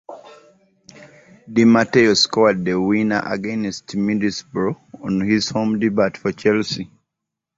Di Matteo scored the winner against Middlesbrough on his home debut for Chelsea.